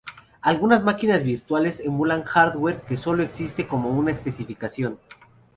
Algunas máquinas virtuales emulan hardware que sólo existe como una especificación.